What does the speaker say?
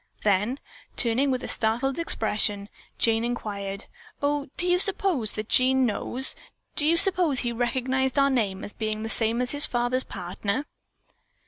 Then, turning with a startled expression, Jane inquired, "Oh, do you suppose that Jean knows? Do you suppose he recognized our name as being the same as his father's partner?"